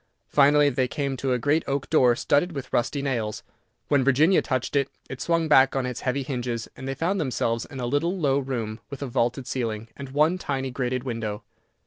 Finally, they came to a great oak door, studded with rusty nails. When Virginia touched it, it swung back on its heavy hinges, and they found themselves in a little low room, with a vaulted ceiling, and one tiny grated window.